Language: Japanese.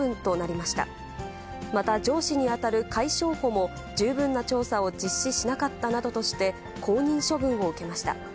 また上司に当たる海将補も十分な調査を実施しなかったなどとして、降任処分を受けました。